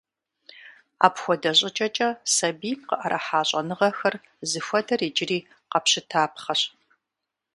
Апхуэдэ щӀыкӀэкӀэ сабийм къыӀэрыхьа щӀэныгъэхэр зыхуэдэр иджыри къэпщытапхъэщ.